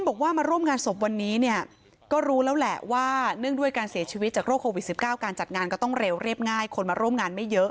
บอกว่ามาร่วมงานศพวันนี้เนี่ยก็รู้แล้วแหละว่าเนื่องด้วยการเสียชีวิตจากโรคโควิด๑๙การจัดงานก็ต้องเร็วเรียบง่ายคนมาร่วมงานไม่เยอะ